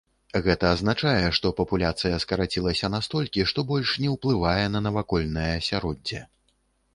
Гэта азначае, што папуляцыя скарацілася настолькі, што больш не ўплывае на навакольнае асяроддзе.